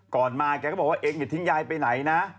ก่อนมาแกก็บอกว่าเองอย่าทิ้งยายไปไหนนะ